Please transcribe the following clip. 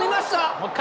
もう１回。